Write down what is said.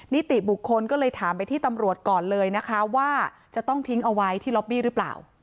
นิติบุคคลก็เลยถามไปที่ตำรวจก่อนเลยนะคะว่าจะต้องทิ้งเอาไว้ที่ล็อบบี้หรือเปล่า